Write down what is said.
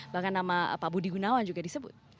bahkan nama pak budi gunawan juga disebut